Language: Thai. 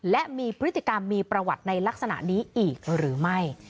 และมีพฤติกรรมมีประวัติในลักษณะนี้อีกหรือไม่